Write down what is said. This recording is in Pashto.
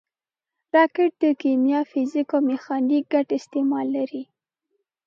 راکټ د کیمیا، فزیک او میخانیک ګډ استعمال لري